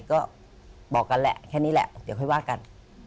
ก็บอกกันแหละแค่นี้แหละเดี๋ยวค่อยว่ากัน